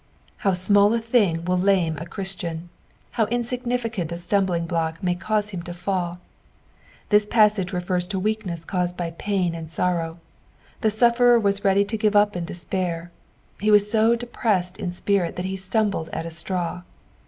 How small a thing will lame* Christian, how insignificant a stumbling block may cause him to fall ! This pisssgs refers to weakness caused by pain and sorrow ; the sufferer was ready to give up in despair ; he was so depressed in spirit that he stumbled at a straw.